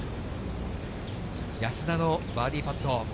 安田のバーディーパット。